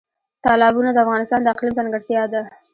تالابونه د افغانستان د اقلیم ځانګړتیا ده.